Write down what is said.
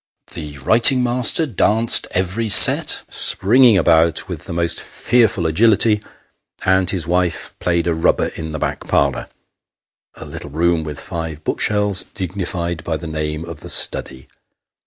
The writing master danced every set, springing about with the most fearful agility, and his wife played a rubber in the back parlour a little room with five book shelves dignified by the name of the study.